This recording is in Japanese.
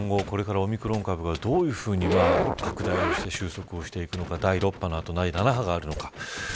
今後、これからオミクロン株がどういうふうに拡大をして収束していくのか第６波の後、第７波があるのか。